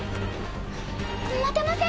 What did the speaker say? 待てません。